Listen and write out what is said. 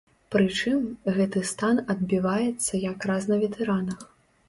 Прычым, гэты стан адбіваецца якраз на ветэранах.